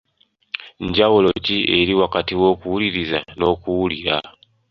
Njawulo ki eri wakati w'okuwuliriza n'okuwulira?